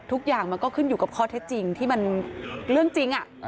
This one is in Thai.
ทุกอย่างมันก็ขึ้นอยู่กับข้อเท็จจริงที่มันเรื่องจริง